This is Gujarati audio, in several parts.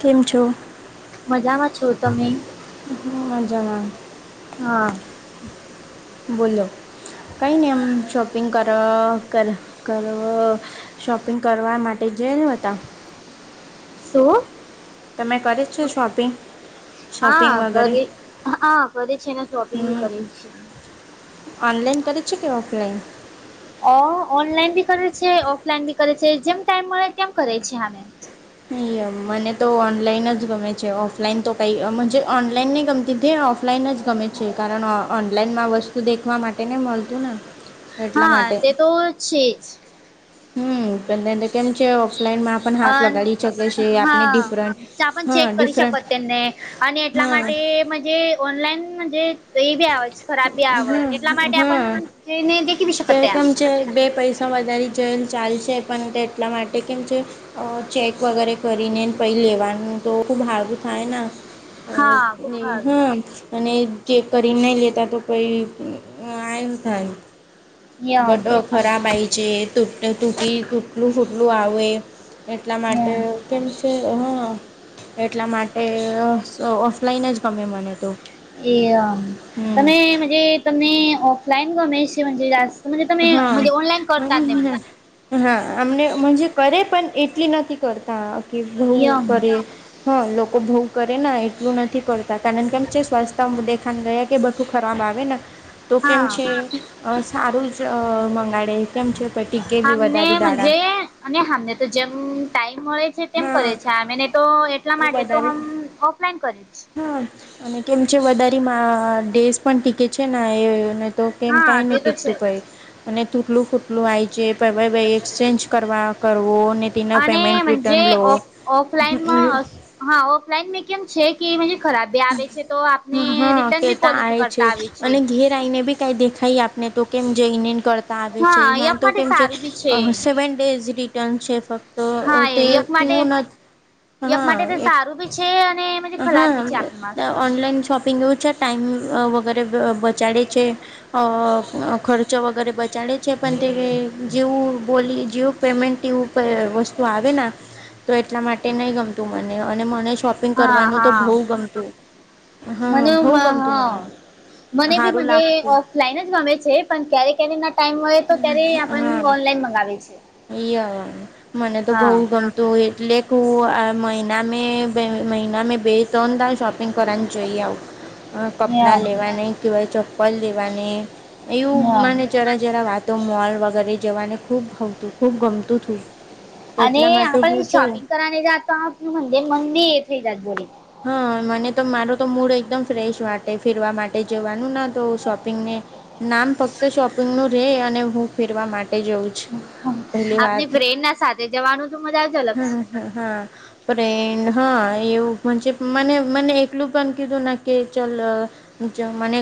કેમ છો? મજામાં છો તમે? હ અજામાં. હા. બોલો. કઈ નહીમ શોપિંગ કર કર કર. શોપિંગ કરવા માટે જ રહ્યા હતા. સું? તમે કરી જ છો શોપિંગ? શોપિંગ હા વગેરે કરે હા કરે છેને શોપિંગ હમ કરી છે. ઓનલાઈન કરે છે કે ઓફલાઈન? ઓ ઓનલાઈન બી કરે છે ઓફલાઈન બી કરે છે જેમ ટાઈમ મળે તેમ કરે છે આને. અમ મને તો ઓનલાઈન જ ગમે છે ઓફલાઈન તો કઈ ઓનલાઈનને ગમતી હતી ઓફલાઈન જ ગમે છે કારણ ઓનલાઈનમાં વસ્તુ દેખવા માટે ને મળતું ને. એટલા હા માટે તે તો છેજ. હમ પણ તો કેમ છે ઓફલાઈન માં પણ હાથ અન લગાડી શકે છે આપને હા, ડિફરન્ટ ત્યા પણ હા ચેક કરી શકો ડિફરન્ટ તેમને, અને એટલા હા માટે ઓનલાઈન તો એ બી આવેજ ખરાબ બી આવેજ હા એટલા માટે આપ જેને દેખી શક ત્યાં. જે બે પૈસા તો વધારે જેલ ચાલશે પણ તે એટલા માટે કેમ જે અ ચેક વગેરે કરીને પછી લેવાનું તો ખુબ હારું થાય ન હા ખુબ [unintelligible] સારું થાય હા અને જે કરીરીને નહી લેતા તો પહી આય થ યમ બટ ખરાબ આય છે તટ તુટી તુટલું ફૂટલું આવે એટલા માટે યમ કેમ છે હા એટલા માટે ઓફલાઈન જ ગમે મને તો એ હમ તમે મંહ્નજે તમને ઓફલાઈન ગમે છે મંહ્નજે જા મંહ્નજે તમે હા મંહ્નજે ઓનલાન કરતા તે હા અમને મંહ્નજે કરે પણ એટલી નથી કરતા કે બવ યમ કરે હા લોકો ભઉ કરેને એટલું નથી કરતા કારણ કે [unintelligible] સ્વાસ્થ્ય દેખાન ગયે એ બધું ખરાબ આવે ના તું કેમ હા છે સારું જ મંગાડે કેમ છે પ ટીકે બી આમને વધારે દાડા મજે અને હમણે તો જેમ ટાઈમ મળે છે તેમ કરે હા છે અમેને તો એટ એટલા એ માટે તો વધારે હમ ઓફલાઈન કરી હા અને કેમ છે વધારે મા ડેસ પણ ટીકે છે ને એ [unintelligible] તો કેમ હા કાઈ તે ની તો ટીકતું છે પય અને તૂટલું ફૂટલું આય જે [unintelligible] એક્સચેન્જ કરવા કરવો ને તેના અને પેમેન્ટ મંહ્નજે રિટર્ન લો ઓફ ઓફલાઈનમા હા ઓફલાઈન મે કેમ છે કે મંહ્નજે ખરાબી આવે છે તો આપને રિટર્નબી પોલિસી કરતા આવે છે. [unintelligible] કાઈ દેખાઈ આપને તો કેમ જઇનેન કરતા તા આવે છે હા અહીંયા યક તો માટે કેમ છે સારું બી સેવન ડેઝ રિટર્ન છે ફક્ત હા તે યક તે માટે હું ન એક હા માટે તે એ સારું બી છે અને મંહ્નજે ખરાબ ભી છે આપણામાં હા ઓનલાઈન શોપિંગ એવું છ ટાઈમ વગેરે વ બચાડે છે અ ખર્ચ વગેરે બચાડે છે પણ તે જેવું બોલી જેવું પેમેન્ટ એવું વસ્તુ આવે ના તો એટલા માટે નઈ ગમતું મને અને મને શોપિંગ હા કરવાનું તો હા બહું ગમતું. હા મને બહુ ગમતું હા મને મને બી સારું મંહ્નજે લાગતું અ લાઈન જ ગમે છે પણ ક્યારે ક્યારે ના ટાઈમ મળે તો ક્યારે આપન હા ઓનલાઈન મગાવે છે. મને તો બઉ હા ગણ તો એટલે કું આ મહિના મે મહિના મે બે ત્રણ દાણ શોપ પિંગ કરવાને જોઈએ આવ કપડાં હા લેવાને કેવાય ચપ્પલ લેવાને એવું મને જરા જરા વાતો મોલ વગેરે જવાને ખુબ [unintelligible] ખુબ ગમતું હતું. અને એટલા માટે આપણ હું જઉં. શોપિંગ કરાને જતા મંદે મંદી એ [unintelligible] હા મને તો મારો તો મૂડ એકદમ ફ્રેશ માટે ફેરવા માટે જવાનું ના તો શોપિંગને નામ ફક્ત શોપિંગ નું રેય અને હું ફેરવા માટે જઉં છું. આપની ફ્રેન્નના સાથે જવાનું તો મજા જ અલગ છે. હમ હા અને હા એવું મંહ્નજે મને મને એકલું પણ કીધું ના કે ચલ મને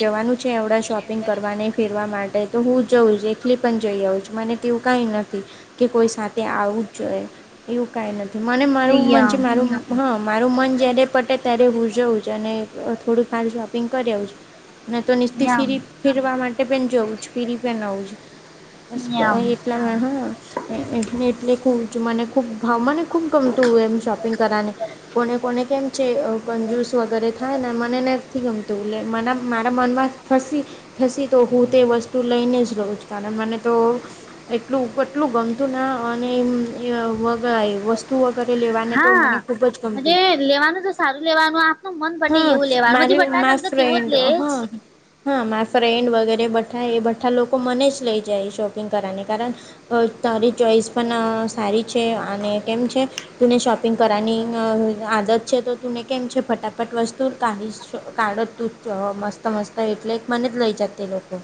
જવાનું છે એવડા શોપિંગ કરવાની ફેરવા માટે તો હું જઉં જ એકલી પણ જઇ આઉ મને તેવું કાઈ નથી કે કોઈ સાથે આવું જોઈએ. એવું કાઈ નથી મને છે મારું યમ મંહ્નજે મારું હા મારું મન જ્યારે પટે ત્યારે હું જવું જ અને થોડુંક ખાન શોપિંગ કરી આવું છું. તો નીચથી યમ ફીરી ફેરવા માટે પણ જવું છે ફીરી પણ આઉ યમ લા હા એટલે એટલે ખુબ મને ખુબ મને ખુબ ગમતું હોય એમ શોપિંગ કરવાને કોને કોને કેમ છે કંજુસો કરે થાય ને મને નથી ગમતું એટે મને મારા મનમાં ફસી થસી તો હું તે વસ્તુ લઈને જ રહું છું. કારણ મને તો એટલું પટલું ગમતું ના અને [unintelligible] [unintelligible] વગેરે લેવાને તો મને ખૂબ જ ગમતું એ લેવાનું તો સારું લેવાનું આપનું મન પટે હા એવું લેવાનું મારી મા [unintelligible] તો તેવું જ ફ્રેન્ડ લે હા હા, મારા ફ્રેન્ડ વગેરે બધા એ બઠા લોકો મને જ લઈ જાય શોપિંગ કરવાને કારણ તારી ચોઈસ પણ સારી છે, અને કેમ છે તુને શોપિંગ કરવાની આદત છે, તો તુને કેમ છે ફટાફ બટ વસ્તુ કાઢ ચ કાઢ છ મસ્ત મસ્ત એટલે મને જ લઈ જાત લોકો.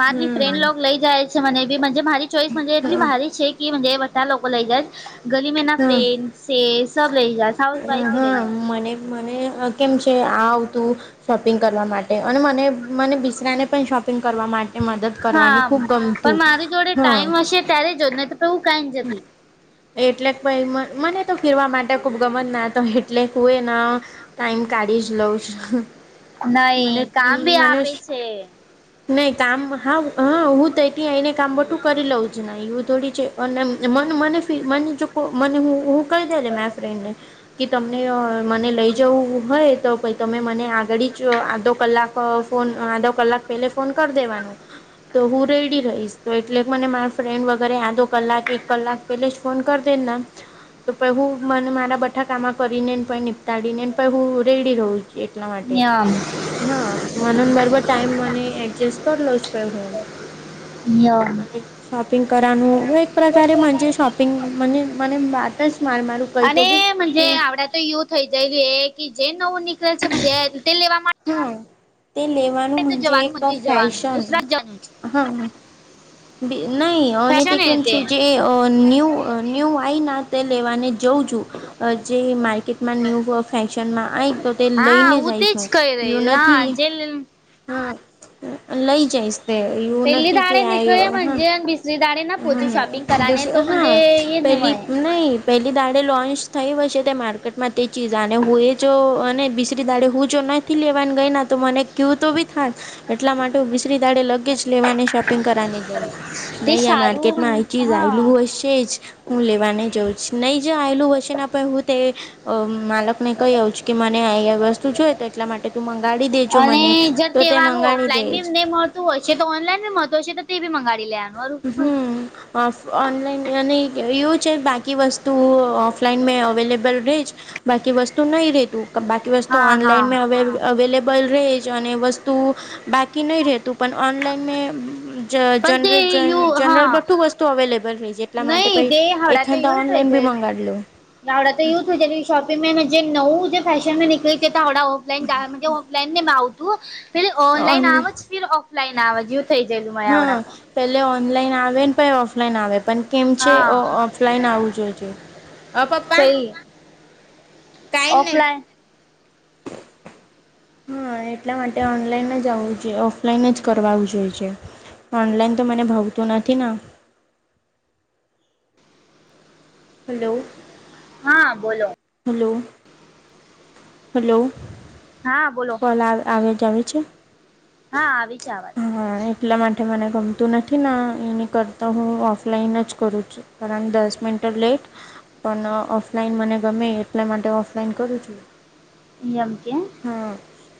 મારી ફ્રેન્ડ હમ લોગ લઈ જાય છે મને બી મારી ચોઈસ એટલી ભારી છે બધા લોકો લઈ જાઈ ગલીમેના હમ ફ્રેન્સે સબ લઈ જાઈ સા હા મને મને કેમ છે આવતું શોપિંગ કરવા માટે અને મને મને બિસરાને પણ શોપિંગ કરવા માટે મદદ હા કરવાની ખૂબ પણ ગમતું મારી જોડે હા ટાઈમ હશે ત્યારે જોજ નહી તો તો એ કઈ જતી એટલે મને તો ફીરવા માટે ખુબ ગમત ના તો એટલે હોય ના ટાઈમ કાઢી જ લઉં છ નહી કામ ભી આપે છે. નહી કામ હા હા હું તો ત્યા આવીને કામ બટું કરી લઉં જ એવું થોડી છે. અને મ મને મને મને હું કહી દે ફ્રેન્ડ ને કે તમને મને લઈ જવું હોય તો, તમે મને આગળ જ આધો કલાક ફોન આધો કલાક પે ફોન કરી દેવાનો. તો હું રેડી રહીશ, તો એટલે મને મારા ફ્રેન્ડ વગેરે આદો કલાક એક કલાક પહેલે જ ફોન કર દેને, તો પ હું મને મારા બઠાકામાં કરીને ને પ નીપતાડી ને ને પ હું રેડી રહું છું. એટલા માટે યમ હા મને બરોબર ટાઈમ મને એડજસ્ટ કરલો જ પ ફન યમ અને શોપિંગ કરાનું એક પ્રકારેજ મને શોપિંગ મને વાત જ માર મારું કઈ તો બી કે અનેજ આપડા તો એવું થઈ જયલું કે જે નવું નીકળે છે. લેવા માટે હા તે લેવાનું મજે જવાનું એક મંદિર જવાનું ફેશન દુસરા જવાનું હા નહી અને તે ફેશન એ કેમ છે જે ન્ય ન્યુ વાઈ ના તે લેવાની જાઉં છું જે માર્કેટમાં ન્યૂ ફેશનમાં અં હા હું તેજ કહી રહી હા નથી જે હા લઈ જઈશ તે એવું નથી કે આ હો વિસરીાર [inaudible] હા દ હા પેલી મળે નહી પહેલી દાળે લોન્ચ થઈ હય છે તે માર્કેટમાં તે ચીઝ અને હું એ જો અને બીસરી દાળે હું જો નહી થી લેવાની ગઈ ના તો મને કવું તો બી થા જ એટલા માટે હું બિસરી દાળે લગેજ લેવાને શોપિંગ કરવાની જોઉં. તે નહી આ સારું માર્કેટમાં આ ચીજ હા આવેલું હોય છે જ હું લેવાને જાઉં છુ નહીં જ આવેલું વશેના પર હું તે અ માલક ને કહી આવઉ છે કે મને અ વસ્તુ જોઈ તો એટલા માટે તું મંગાડી દેજો અને મને. જર તો તે વાળું મંગાવડું દે ઓફલાઈન બી જ નહી મળતું હોય છે તો ઓનલાઈન મહત્વ છે. [inaudible] મંગાડી લે હમ ફ ઓનલાઈન અને એવું છે બાકી વસ્તુ ઓફલાઈન મેં અવેલેબલ રહે જ બાકી વસ્તુ નહી રેતું બાકી વસ્તુ હા હા ઓનલાઈન હવે અવેલેબલ રે જ અને વસ્તુ બાકી નહીં રહેતું પણ ઓનલાઈન મેં જ પણ તે જનર યુ જનરલ હા બધું વસ્તુ અવેલેબલ રહી જ એટલા માટે નહી પ તે એા તો ઓનલાઈન ભી મંગાડલું. નાવડા થી યુદ્ધ જેની શોપિંગ મેં મુજે નવું જ ફેેશન નીકળી કે થોડા ઓફલાઈન ઓફલાઈન ને મે આવતું પે ઓનલાઈન આમ જ ફીર ઓફલાઈન આવા જો હા પેલે ઓનલાઈન આવે ને પે ઓફલાઈન આવે પણ કેમ છે ઓ ઓ હા ઓફલાઈન આવું જોઈ ઓ અ પપ્પા કાઈ નહી ઓફલાઇન હા એટલા માટે ઓનલાઈન જ આવું જોઈએ ઓફલાઈન જ કરવા જોઈ છે. ઓનલાઈન તો મને ભવતું નથી ના. હલો હા બોલો. હેલો. હલો હા બોલો કોલ આવે આવે જ આવી છે. હા આવી છે આવાત. હા એટલા માટે મને ગમતું નથી ના એની કરતા હું ઓફલાઈન જ કરું છું. કારણ દસ મનન્ટ લેટ. પણ ઓફલાઈન મને ગમે એટલા માટે ઓફલાઈન કરું છું. એમ કે હમ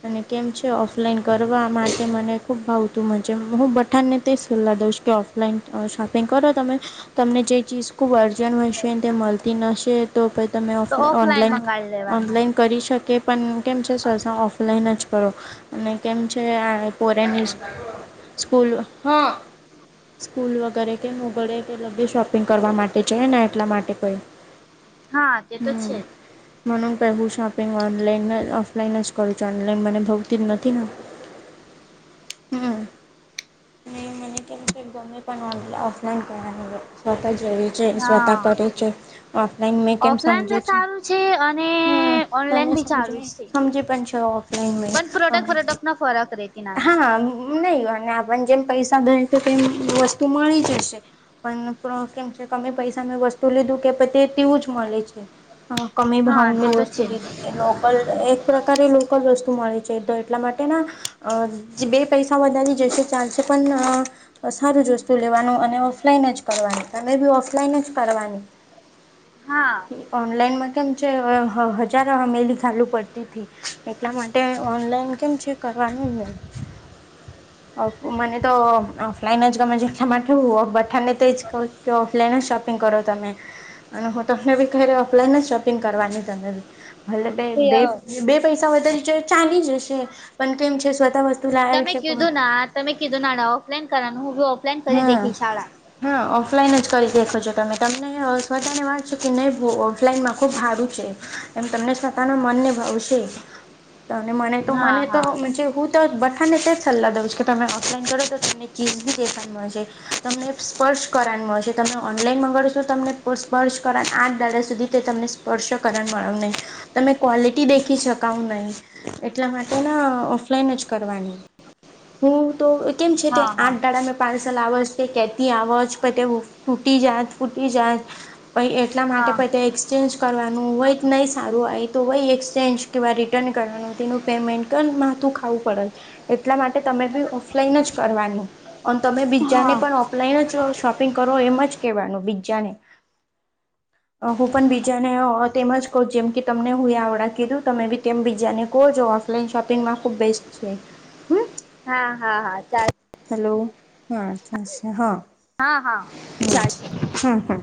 અને કેમ છે ઓફલાઈન કરવા માટે મને ખુબ ભાવતું મજમા હું બધા ને તે સોલ્લા દઈશ કે ઓફ. ઓનલાઈન શોપિંગ કરો તમે તમને જે ચીઝ ખૂબ જણ મશીન તે મળતી નશે તો ભઈ તમે તો ઓફલા ઓફલાઈન ઓનલાઈન મંગાવી લેવાનું ઓનલાઈન કરી શકે. પણ કેમ છે સરસ ઓફલાઈન જ કરો. અને કેમ છે આર ફોરેનીશ સ્કૂલ હ. સ્કૂલ વગેરે કે મોગળે કે લબી શોપિંગ કરવા માટે છે ને એટલા માટે કોઈ. હા તે તો છે જ. મને કહેવું શોપિંગ ઓનલાઈન ઓફલાઈન જ કરું છ ઓનલાઈન મને ગમતી જ નથી ને. હમ તે ગમે પણ ઓન ઓફલાઈન કર સ્વત જરૂરી છે જ સ્વેતા હા પટેલ છે. ઓફલાઈન મેં કેમ ઓફલાઈન સમજે બી છે સારું અને હમ મને ઓનલાઈન બી સમજે સારું જ છે સમજી પણ છે ઓફલાઈન મે પણ પ્રોડક્ટ ફોડક્ટ ન ફરક રહેતી નામ. હા નહી અને આપને જેમ પૈસા દઈ તો તેમ વસ્તુ મળી જશે. પણ ક્રો કેમ છે તમે પૈસા મેં વસ્તુ લીધું કે તે તેવું જ મળે છે. હા કમે હા ભાવ તે નનું તો વસતુ છે લીઘું કે લો. પલ એક પ્રકારે લોકલ વસ્તુ મળે છે તો એટલા માટે ના. અ જે બે પૈસા વધાારે જશે ચાલશે પણ ન. બ સારું જ વસ્તુ લેવાનું અને ઓફલાઈન જ કરવાનું તમે બી ઓફલાઈન જ કરવાની હા ઓનલાઈન માં કેમ છે હજાર અમેલી ખાલુ પડતી હતીથી. એટલા માટે ઓનલાઈન કેમ છે કરવાનું નહી. મને તો અ ઓફલાઈન જ ગમેજ એટલા માટે હું બઘાને તે જ કું કે ઓફલાઈન જ શોપિંગ કરો તમે. અને હું તમને બી કહી રહ્યો ઓફલાઈન શોપિંગ કરવાની તમે બી. હલે બે તે બે બે પૈસા વધારે છે ચ ચાલી જશે પણ કેમ છે સ્વતા વ તમે કીધું ના તમે કીધું ના ના ઓફલાઈન કરવાનું હું. ઓફલાઈન કરી હમ દેખી શાળા હા ઓફલાઈન જ કરી દેખો છો તમે તમને સ્વતાને વાંચ છો કે નહી ભ ઓફલાઈન માં ખુબ સારું છે. એમ તમને સ્તાના મન ને ભાવશે. [inaudible] તને મને તો હા મને તો હા હું. તો બઠાને તે જ સલાહ દઉં છે કે તમે ઓફલાઈન કરો તો તમને ચીઝ બી કેફાઈન મળશે, તમને સ્પર્શ કરનું મળશે તમે ઓનલાઈન મગાવડો છો તમને સ્પર્શ કર આઠ દાડા સુધી તે તમને સ્પર્શ કરણ મળવ નહી તમે ક્વોલિટી દેખી શકાવ નહી એટલા માટે ના ઓફલાઈન જ કરવાની હું તો કેમ છે, તે હા હા આઠ પાર્સલ આવજ તે કેતી આવજ પતે ટૂટી જાત ફૂટી જાત પ એટલા માટે હા પ ચેન્જ કરવાનું હોય નહીં સારું આવેય તો હોય એક્સચેન્જ કેવા રિટર્ન કરવાનું, તેનું પેમેન્ટ માથું ખાવું પડે એટલા માટે તમે બી ઓફલાઈન જ કરવાનું, અને તમે બીજાને હા પણ ઓફલાઈન જ શોપિંગ કરો એમ જ કહેવાનું બીજાને [inaudible] હું પણ બીજાને તેમજ કવ જેમ કે તમને હું આવડા કીધું તમે બી તેમ બીજાને કહો જો ઓનલાઈન શોપિંગમાં ખુબ બેસ્ટ છે, હમ હા હા હા ચાલ હલો [unintelligible] હા, હા ચ હમ્મ હા